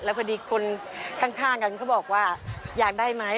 พอดีคนข้างกันเขาบอกว่าอยากได้ไหม